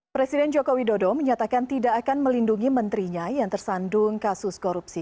presiden joko widodo menyatakan tidak akan melindungi menterinya yang tersandung kasus korupsi